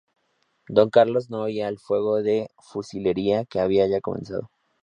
Don Carlos no oía el fuego de fusilería que había ya comenzado.